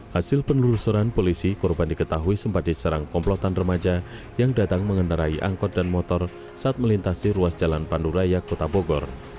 hasil penelusuran polisi korban diketahui sempat diserang komplotan remaja yang datang mengendarai angkot dan motor saat melintasi ruas jalan panduraya kota bogor